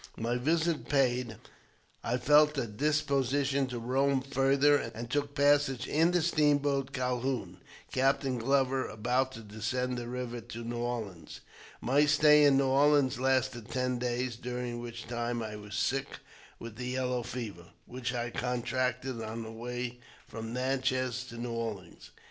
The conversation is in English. My visit paid, I felt a disposition to roam farther, and took passage in the steamboat Calhoun, Captain Glover, about to descend the river to New Orleans. My stay in New Orleans lasted ten days, during which time I was sick with the yellow « fever, which I contracted on the way from Natchez to New Orleans.